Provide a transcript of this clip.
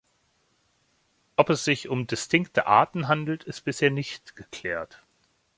Ob es sich um distinkte Arten handelt, ist bisher nicht geklärt.